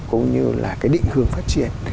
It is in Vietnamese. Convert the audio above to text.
cũng như là cái định hướng phát triển